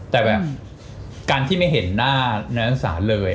แต่แบบการที่ไม่เห็นหน้านั้นศาลเลย